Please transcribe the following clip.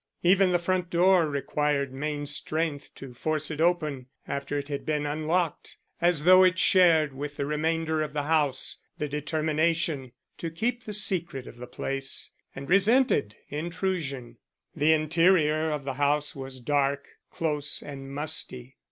Even the front door required main strength to force it open after it had been unlocked, as though it shared with the remainder of the house the determination to keep the secret of the place, and resented intrusion. The interior of the house was dark, close and musty.